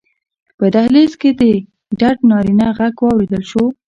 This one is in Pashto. په دهلېز کې ډډ نارينه غږ واورېدل شو: